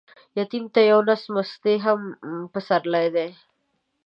يتيم ته يو نس مستې هم پسرلى دى.